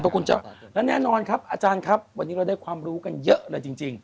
คุณเจ้าและแน่นอนครับอาจารย์ครับวันนี้เราได้ความรู้กันเยอะเลยจริง